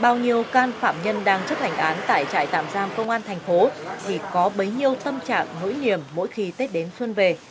bao nhiêu can phạm nhân đang chức hành án tại trại tạm giam công an tp thì có bấy nhiêu tâm trạng nỗi niềm mỗi khi tết đến xuân về